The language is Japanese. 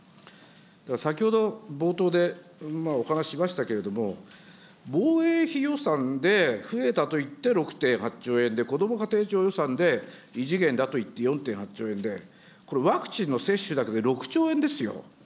先ほど冒頭でお話ししましたけども、防衛費予算で増えたといって６．８兆円で、こども家庭庁予算で異次元だといって４．８兆円で、これ、ワクチンの接種だけで６兆円ですよ。